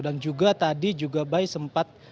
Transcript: dan juga tadi juga bayi sempat